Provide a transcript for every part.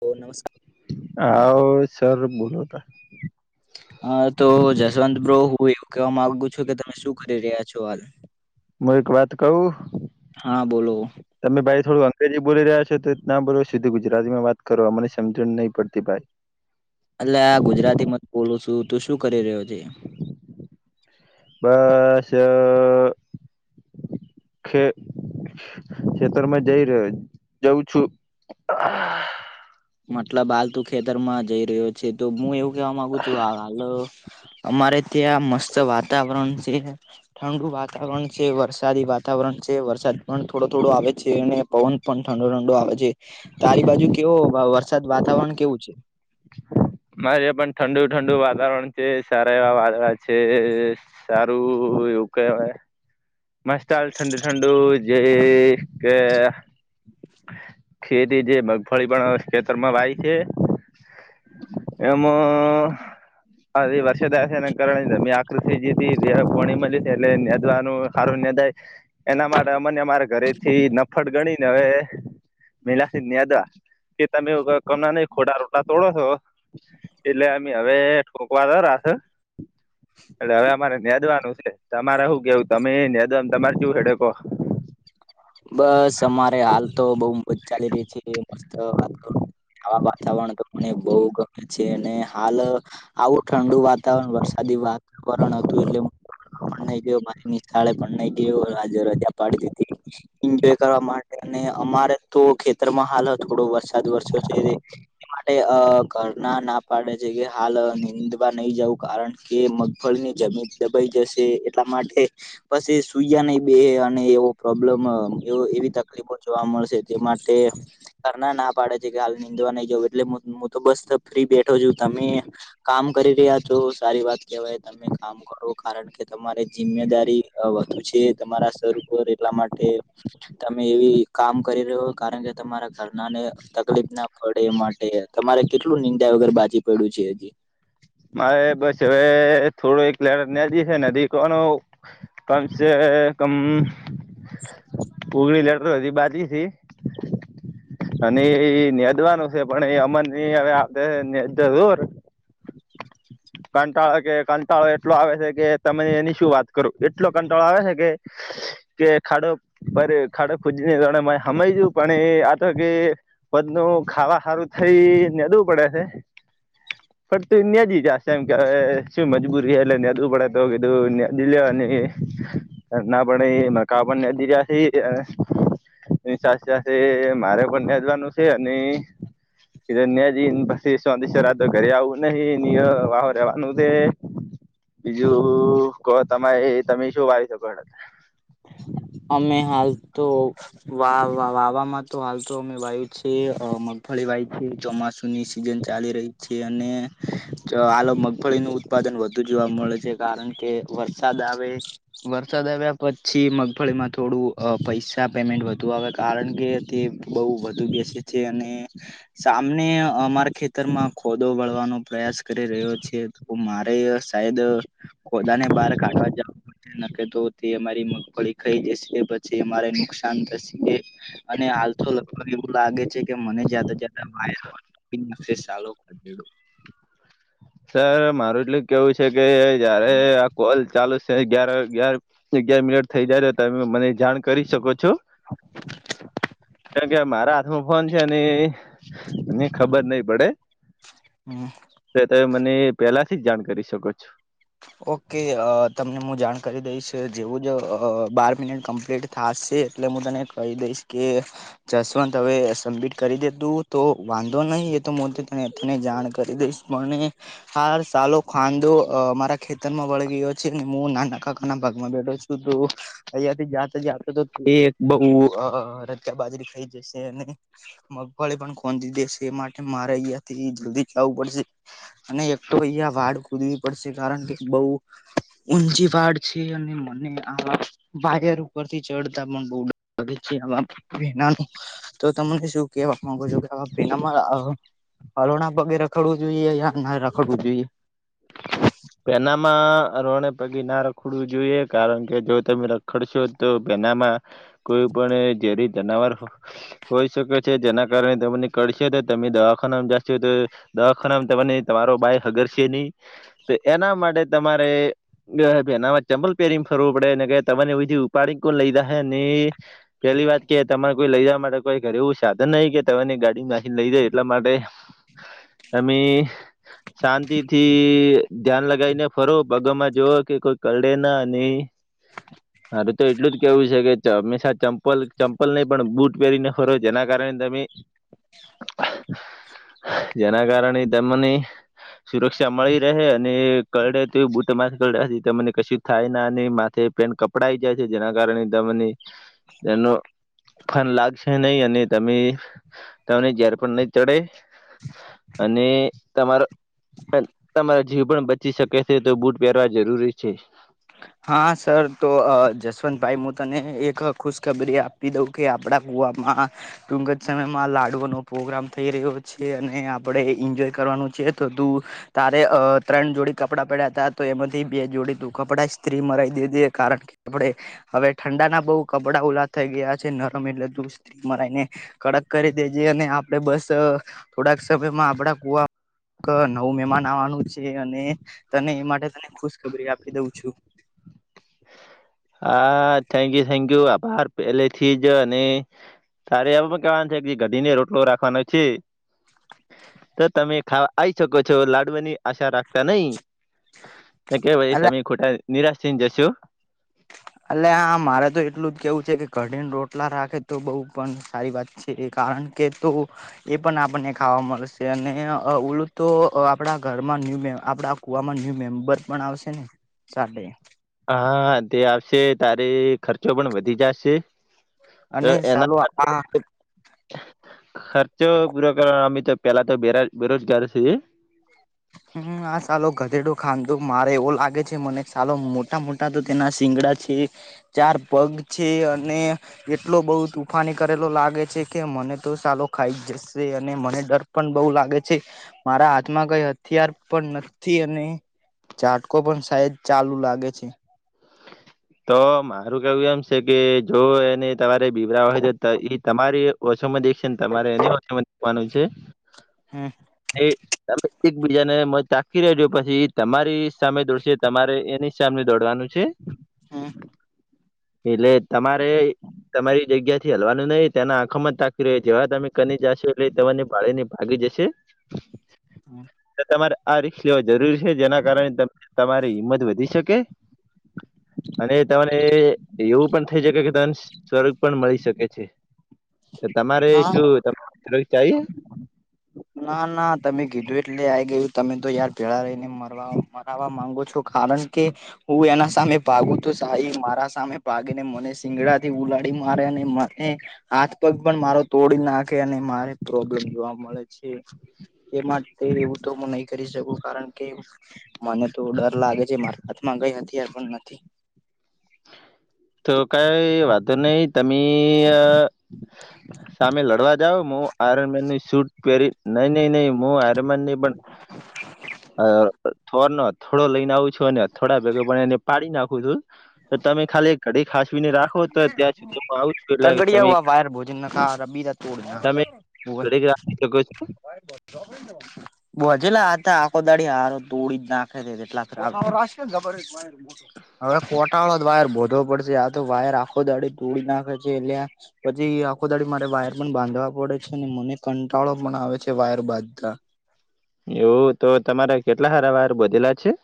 ઓ નમસ્કાર. હા [inaudible] હા તો જસવંત બ્રો હું એવું કહેવા માગુ છું કે તમે શું કરી રહ્યા છો હાલ? હું એક વાત કવું? હા બોલો. તમે ભાઈ થોડું અંગ્રેજી બોલી રહ્યા છો તો ના બોલો સુધી ગુજરાતી માં વાત કરો મને સમજણ નહી પડતી ભાઈ. એટલે આ ગુજરાતી મત બોલો છું તો શું કરી રહ્યો છે? બસ ખે ખેતરમાં જઈ રહ્યો જઉં છું. મારે મતલબ હાલ તું ખેતર માં જઈ રહ્યો છે. તો હું એવું કેવા માંગુ છું. હાલ અમારે ત્યાં મસ્ત વાતાવરણ છે. ઠંડુ વાતાવરણ છે. વરસાદી વાતાવરણ છે. વરસાદ પણ થોડો થોડો આવે છે અને પવન પણ ઠંડો ઠંડો આવે છે. તારી બાજુ કેવો વરસાદ વાતાવરણ કેવું છે? મારે પણ ઠંડુ-ઠંડુ વાતાવરણ છે. સારા એવા વાદળા છે. સારું એવું કહેવાય. મસ્ત આવેલ ઠંડુ-ઠંડુ જે ક ખેતી જે મગફળી પણ ખેતરમાં વાય છે. એમાં હા એ વરસાદ આવે છે એના કારણે જમીન આકરી થઇ ગઇ હતી જયારે પોણી મળે એટલે નેદવાનુ સારું નેદાય. એના માટે અમને અમારા ઘરે થી નફત ગણીને હવે મેલાથી નેદવા કે તમે [unintelligible] ન ખોડા રોપા તોડો છો એટલે અમે હવે ઠોકવા દરા છે એટલે હવે અમારે નેદવાનું છે. તમારે હું કેવું તમે એ નેદવાનું તમારે કેવી શું હેડો કો? બસ અમારે હાલ તો બઉ ચાલી રહી છે. મસ્ત હાલ તો આ વાતાવરણ તો પણ બહુ ગમે છે અને હાલ આવું ઠંડુ વાતાવરણ વરસાદી વાતાવરણ હતું એટલે પણ નહી ગયો મારી નિશાળે પણ નઈ ગયો રજા પાડી દીધી. એન્જોય કરવા માટે અને અમારે તો ખેતરમાં હાલ થોડો વરસાદ વરસ્યો છે. ઘરના ના પાડે છે કે હાલ નીંદવા નહી જવું કારણ કે મગફળી ની જમીન દબાઈ જશે એટલા માટે પછી એ સુયા નહી બેસે ને એવો પ્રોબ્લેમ એવી તકલીફો જોવા મળશે. તે માટે ઘરના ના પાડે છે કે, હાલ નીંદવા નહી જવું એટલે હું તો બસ ફ્રી બેઠો છું. તમે કામ કરી રહ્યા છો સારી વાત કેવાય તમે કામ કરો. કારણ કે તમારે જિમ્મેદારી વધુ છે. તમારા સર ઉપર એટલા માટે તમે એવી કામ કરી રહ્યો કારણ કે તમારા ઘરના ને તકલીફ ના પડે એ માટે. તમારે કેટલું નીંદા વગર બાજી પડ્યું છે હજી? મારે બસ હવે થોડું એક લેર નેદવી છે નદી કોનું કમ છે કમ ઓગણી લેટર બાકીથી. [inaudible] અને એ નેદવાનું છે પણ એ હવે આપને નેદતા જોઇ કંટાળો કે કંટાળો એટલો આવે છે કે તમે એની શું વાત કરો એટલો કંટાળો આવે છે કે કે ખાડો અરે ખાડો ખોદીને જણ એમાં હમાય જવ પણ એ આ તો કે ફતનુ ખાવા સારું થઈ ને નેદવું પડે છે પણ તું નજી જા સે એમ કે શું મજબૂરી એ ને નેદવુ પડે તો ભી તો નેદી લેવાની. ના પડે એ કાપણને નદીર્યા છે. એની સાથે સાથે મારે પણ ન્યા જવાનું છે અને નેદીન પછી [inaudible] તો ઘરે આવું નહી નિય વારે લેવાનું છે. બીજું કો તમારે તમે શું વાવી શકો એ અમે હાલ તો વા વાવાવામાં તો હાલ તો અમે મગફળી વાયવી છીએ ચોમાસુ ની સિઝન ચાલી રહી છે અને તો આલો મગફળીનુ ઉત્પાદન વધુ જોવા મળે છે કારણ કે વરસાદ આવે વરસાદ આવ્યા પ પછી મગફળીમાં થોડું પૈસા પેમેન્ટ વધુ આવે કારણ કે તે બહુ વધુ બેસે છે અને સામને અમારા ખેતરમાં ખોદો વળવાનો પ્રયાસ કરી રહ્યો છે. મારે સાયદ ખોદાને બહાર કાઢવા જવું પડશે નકે તો તે મારી મગ મગફળી ખાઈ જશે કે પછી અમારે નુકસાન થશે એ અને હાલ લગભગ એવું લાગે છે. [unintelligible] સર મારું એટલું કેવું છે કે જયારે કોલ ચાલુ છે અગિયાર ગયાર અગિયાર મિનિટ થઇ જાય છે તમે મને જાણ કરી શકો છો. છું કે કે મારા ફોન છે અને મને ખબર નહિ પડે. હમ તો તમે મને પેલાથી જ જાણ કરી શકો છો. ઓકે અ તમને મુ જાણ કરી દઈશ જેવું જ બાર મિનિટ કમ્પ્લીટ થાશે એટલે હું તને કહી દઈશ કે જસવંત હવે સબમિટ કરી દેતું તો વાંધો નહી એ તો તને જાણ કરી દઈશ મને હાલ સાલો ખાંદો મારા ખેતરમાં વળ ગયો છે ને હું નાના કાકા ના ભાગમાં બેઠો છું તો અહીંયાથી જાતો જતો તો તે એક બહુ અ રજા બાજરી ખાઈ જશે અને મગફળી પણ ખોંધી દેશે એ માટે મારે અહિયા થી જલ્દી જવું પડશે. અને એક તો અહીંયા વાળ ખોદવી પડશે કારણ કે બઉ ઊંજી વાડ છે અને મને આ વાયર ઉપરથી ચડતા પણ બહુ ડ લે છે આમાં તો તમને શું કેવા માંગુ છો કે અ પેલામાં હલોણા પગે રખડવું જોઈએ યા ના રખડવું જોઈએ? પેનામાં રોણે પગી ના રખડવું જોઈએ કારણ કે જો તમે ર ખડશો તો તેનામાં કોઈ પણ ઝેરી જનાવર હોઈ શકે છે જેના કારણે તમને કડશે તો તમે દવાખાનામાં જાશો તો દવાખાનામ તમને તમારો ભાઈ હગર છે નહી તો એના માટે તમારે એનામાં ચંબલ પેરી ને ફરવો પડે ને તમને એ ઉપાડી કો લઈજાહે ને પેલી વાત કે તમારે કોઈ લઈ જવા માટે કોઈ ઘરે એવું સાધન નહી કે તમેને ગાડી નાખીને લઈ જાય એટલા માટે તમે શાંતિ થી ધ્યાન લગાવીને ફરો પગામાં જો કે કોઈ કરડે ના નહી [unintelligible] મારે તો એટલું જ કેવું છે કે ચ હંમેશા ચંપલ ચંપલ નહીં પણ બુટ પહેરીને ફરો જેના કારણે તમે [inaudible] જેના કારણે ત મને સુરક્ષા મળી રહે અને કરડે તોય બુટ માથે કડે મને કશી થાય ના અને માથે પેન્ટ ક પપડાઈ જાય છે જેના કારણે તમને એનો ફન લાગશે નહી અને તમે તમને ઝેર પણ નહી ચડે અને તમારો તમારા જીવ પણ બચી શકે છે તો બુટ પહેરવા જરૂરી છે. હા સર તો અ જસવંતભાઈ હું તને એક ખુશખબરી આપી દઉં કે આપડા કુવામાં ટુંક જ સમયમાં લાડુનો પ્રોગ્રામ થઈ રહ્યો છે અને આપણે એન્જોય કરવાનું છે તો તું તારે અ ત્રણ જોડી કપડાં પડ્યા હતા તો એમાંથી બે જોડી તું કપડા જ સ્ત્રી મરાઈ દીધી કારણ કે આપણે હવે ઠંડાના બહુ કપડાં ઉલા થઈ ગયા છે નરમ એટલે દૂધ સ્ત્રી મરાયને કડક કરી દેજે અને આપડે બસ થોડાક સમયમાં આપડા કુવા ક નવું મહેમાન આવાનું છે અને તને એ માટે તને ખુશ ખબરી આપી દઉં છું હા થેન્ક યુ થેન્ક યુ આભાર પેલે થી જ અને તારે એવ પણ કેવાનું છે કે જે ગડી ને રોટલો રાખવાનો છે તો તમે ખા આઈ શકો છો લાડવાની આશા રાખતા નહી. કે પાઈ અલા તમે ખોટા નિરાશ થઈને જશો. અલ્યા હા મારે તો એટલું જ કેવું છે કે કડીને રોટલા રાખે તો બઉ પણ સારી વાત કારણ કે તું એ પણ આપને ખાવા મળશે અને ઓલું તો આપડા ઘરમાં ન્યૂ આપડા કુવામાં ન્યુ મેમ્બર પણ આવશે ને સાથે હા તે આવશે તારે ખર્ચો પણ વધી જાશે. તો અને એના ચાલો આ ખર્ચો પૂરો કરવા અમે તો પેલા તો બે બેરોજગાર છીએ. હમ્મ આ ચાલો ગધેડું ખાધું મારે એવો લાગે છે મને ચાલો મોટા મોટા તો તેના શીંગડા છે. ચાર પગ છે અને એટલો બઉ તોફાની કરેલો લાગે છે કે મને તો સાલો ખાઈ જ જશે અને મને ડર પણ બઉ લાગે છે મારા હાથમાં કઈ હતી હથિયાર પણ નથી અને ઝાટકો પણ સાયદ ચાલુ લાગે છે તો મારું કેવું એમ છે કે જો એને તમારે પીવરા હોય તો એ તમારી ઓછોમાં દેખશે ને તમારે એ ઓછોમાં દેખવાનું છે હમ્મ. એ તમે એકબીજા ને માય તાકી રહજો પછી તમારી સામે દોડશે તમારે એની સામે દોડવાનું છે હમ્મ. એટલે તમારે તમારી જગ્યાથી હલવાનું નહી તેના આંખોમાં જ થાકી રહ્યો જેવા તમે કની જાશો તેવાની ભાળી ને ભાગી જશે હમ્મ. તમારે આ રિકસ લેવા જરૂરી છે જેના કારણે તમારી હિંમત વધી શકે અને તને એવું પણ થઈ શકે કે તમને સ્વર્ગ પણ મળી શકે છે. તમારે હા શું તમ ચાએ ના ના તમે કીધું એટલે આ ગયું તમે તો યાર ભેળા રહીને મરવા મરાવા માંગો છો કારણ કે હું એના સામે ભાગું તું સાહી મારા સામે ભાગી ને મને સિંગડાથી ઉલાડી મારે અને મને હાથ પગ પણ મારો તોડી નાખે અને મારે પ્રોબ્લેમ જોવા મળે છે એ માટે એવું તો હું નહી કરી શકું કારણ કે મને તો ડર લાગે છે મારા હાથમાં ગઈ હથીયાર પણ નથી તો કઈ વાંધો નહી તમે સામે લડવા જાઓ મુ આરે મેન નો શૂટ પહેરી નઈ નઈ નઈ હું હરમાન ની પણ થોવા નત થોડો લઈને આવું છું અને થોડા ભેગા બ એને પાડી નાખું છું તો તમે ખાલી ઘડીક હાચવીને રાખો તો ત્યાં સુધી હું આવું છું એટલે તગડિયા તમે હુઆ વાયર તમે હોવે [unintelligible] [inaudible] બોજેલા હતા આખો દાડી હાર તોડી જ નાખે છેટલા હવે ખોટાળો જ વાયર ભોધવો પડશે આ તો વાયર આખો દાડે તોડી નાખે છે એટલે પછી આખો દાડી મારે વાયર પણ બાંધવા પડે છે ને મને કંટાળો પણ આવે છે વાયર બાંધતા એવું તો તમારા કેટલા હારાવાર બધેલા છે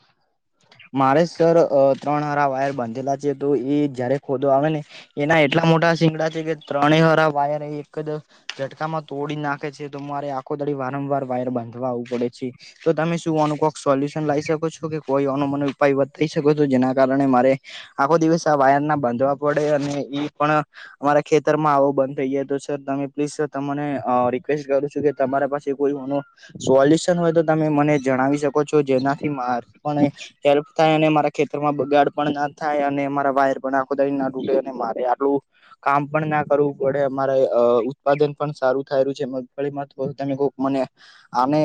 મારે સર ત્રણ હાર વાયર બાંધેલા છે તો એ જયારે ખોદો આવે ને એના એટલા મોટા સીંગડા છે કે ત્રણે હરા વાયર એક જ ઝટકામાં તોડી નાખે છે તો મારે આખો દડી વારંવાર વાયર બાંધવા આવવું પડે છે તો તમે શું આનું કોક સોલ્યુશન લાવી શકો છો કે કોઈ અનુમન ઉપાય બતાઈ શકો છો જેના કારણે મારે આખો દિવસ આ વાયર ના બાંધવા પડે અને ઈ પણ અમારા ખેતરમાં આવો બંધ થઈ જાય તો સર તમે પ્લીઝ સર તમને રિક્વેસ્ટ કરું છું કે તમારા પાસે કોઈ સોલ્યુશન હોય તો તમે મને જણાવી શકો છો જેનાથી મા પણ એક્સ હેલ્પ થાય અને મારા ખેતરમાં બગાડ પણ ના થાય અને મારા વાયર પણ આખો ત ના તૂટે મારે આટલું કામ પણ ના કરવું પડે અમારે ઉત્પાદન પણ સારું થાય્યું છે મગફળીમાં તો તમે કોક મને અને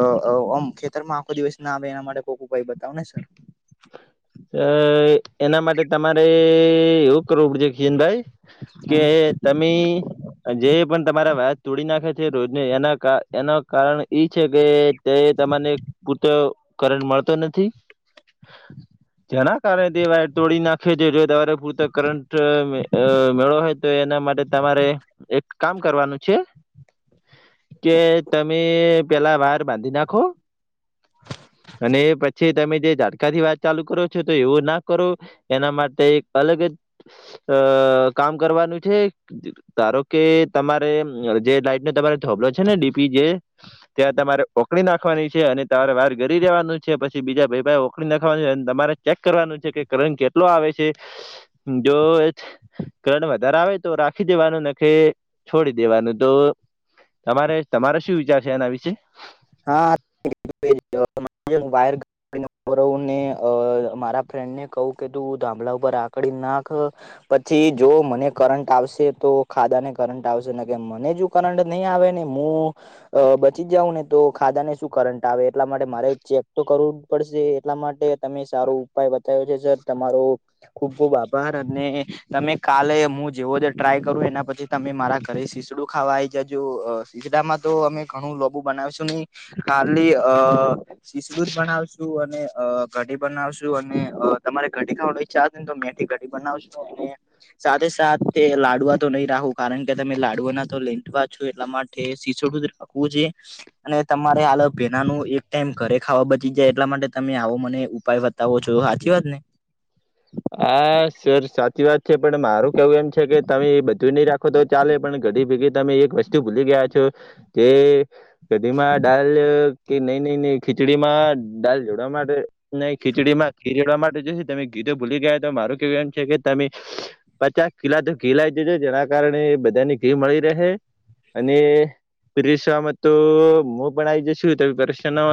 આમ ખેતરમાં આખો દિવસ ના આવે એના માટે કોઈક ઉપાઈ બતાવો ને સર અ એના માટે તમારે એવું કરવું પડશે કિશનભાઈ કે તમે જે પણ તમારા વાત તોડી નાખે છે રોજને એના એના કારણ ઈ છે કે તે તને પૂરતો કરંટ મળતો નથી જેના કારણે તે વાયર તોડી નાખે છે જો તમારે પૂરતો કરંટ મેળો હો તો એના માટે તમારે એક કામ કરવાનું છે કે તમે પેલા વાર બાંધી નાખો અને પછી તમે જે [unintelligible] થી વાત ચાલુ કરો તો એવું ના કરો એના માટે એક અલગ જ અ કામ કરવાનું છે ધારો કે તમારે જે લાઈટ નો તમારે થોબલો છે ને ડીપી જે ત્યાં તમારે ઓકળી નાખવાની છે અને તમારે વાર ઘરી રેવાનું છે પછી બીજા ભાઈ ભાઈ ઓકળી નાખવાનું છે તમારે ચેક કરવાનું છે કે કરંટ કેટલો આવે છે જો કરંટ વધારે આવે તો રાખી દેવાનું ને કે છોડી દેવાનું તો તમારે તમારે શું વિચાર છે એના વિશે હા [unintelligible] વાયર ને ને મારા ફ્રેન્ડ ને કહું કે તું ધાંભલા ઉપર આકડી નાખ પછી જો મને કરંટ આવશે તો ખાધા ને કરંટ આવશે ને કે મને જો કરંટ નહી આવે ને હું બચી જાઉં ને તો ખાધાને શું કરંટ આવે એટલા માટે મારે ચેક તો કરવું જ પડશે એટલા માટે તમે સારો ઉપાય બતાવ્યો છે સર તમારો ખુબ ખુબ આભાર અને તમે કાલે હું જેવો જ ટ્રાય કરું એના પછી તમે મારા ઘરે શીજડું ખાવા આવીઈ જજો શીઝડામાં તો અમે ઘણું લોબુ બનાવ નહીં ખાલી અ સિસુર બનાવશું અને કઢી બનાવશું અને તમારે કઢી ખાવાનું ચા મેંથી ઘડી બનાવશું અને સાથે સાથે લાડુવા તો નહી રાું કારણ કે તમે લાડુના તો લેન્ટવા છો એટલા માટે શીસડું હું જે અને તમારે આાલગ ભેના ન એક ટાઈમ ઘરે ખાવા બચી જાય એટલા માટે તમે આવો મને ઉપાય ત ઓ છું સાચી વાત ને હા સર સાચી વાત છે પણ મારું કેવું એમ છે કે તમે બધું નહી રાખો તો ચાલે પણ ઘડી ભેગી તમે એક વસ્તુ ભૂલી ગયા છો જે કધીમાં દાલ કે નઈ નઈ ન ખીચડી માં દાલ જોડવા માટે નહી ખીચડીમાં ખીચડવા માટે જો તમે ગીતોું ભૂલી ગયા તો મારું કેવું એમ છે કે તમે પચાસ કિલા તો ઘી લાવી જજ જેના કારણે બધાની ઘી મળી રહે અને પેશામાં તો હું પણ આવી જશ ત પરેશ ન હો